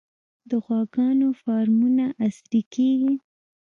د غواګانو فارمونه عصري کیږي